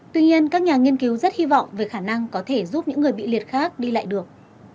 tuy nhiên các nhà nghiên cứu rất hy vọng về khả năng có thể giúp những người bị liệt khác đi lại được